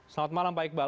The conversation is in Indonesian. selamat malam pak iqbal